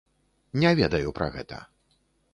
Не ведаю пра гэта.